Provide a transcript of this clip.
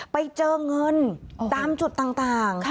ไปเจอเงินตามจุดต่าง